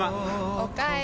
おかえり。